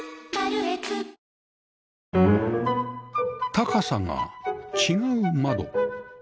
高さが違う窓